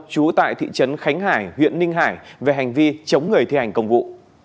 trú tại thị trấn khánh hải huyện ninh hải về hành vi chống người thi hành công vụ